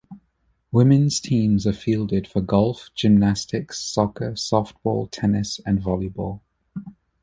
Women's teams are fielded for golf, gymnastics, soccer, softball, tennis and volleyball.